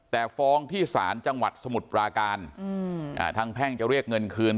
แต่ฟ้องที่ศาลจังหวัดสมุทรปราการทางแพ่งจะเรียกเงินคืน